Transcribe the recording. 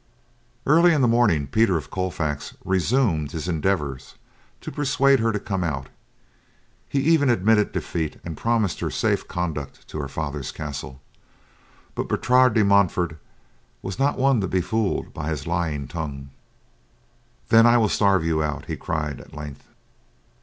Early in the morning, Peter of Colfax resumed his endeavors to persuade her to come out; he even admitted defeat and promised her safe conduct to her father's castle, but Bertrade de Montfort was not one to be fooled by his lying tongue. "Then will I starve you out," he cried at length.